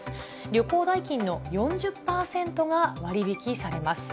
旅行代金の４０％が割引されます。